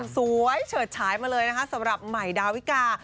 สวยเฉิดฉายมาเลยนะคะสำหรับใหม่ดาวิกา